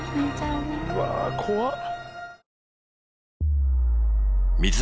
うわ怖っ。